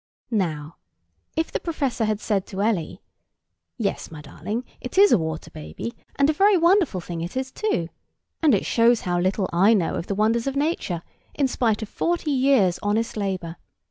Now, if the professor had said to Ellie, "Yes, my darling, it is a water baby, and a very wonderful thing it is; and it shows how little I know of the wonders of nature, in spite of forty years' honest labour.